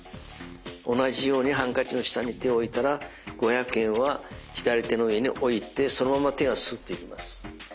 同じようにハンカチの下に手を置いたら五百円は左手の上に置いてそのまま手がスッといきます。